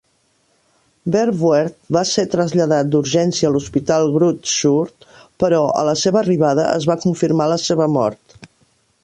Verwoerd va ser traslladat d'urgència a l'Hospital Groote Schuur, però, a la seva arribada, es va confirmar la seva mort.